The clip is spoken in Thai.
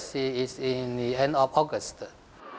คือจุดที่จะจบที่สุดท้าย